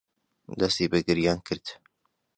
دەستی بە گریان کرد.